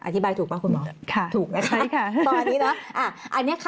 อธิบายถูกป่ะคุณหมอถูกนะคะตอนนี้เนอะ